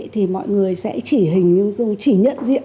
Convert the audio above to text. thì mọi người sẽ chỉ nhận diện